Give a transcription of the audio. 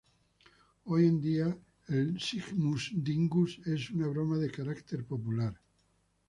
Hoy en día el "śmigus-dyngus" es una broma de carácter popular.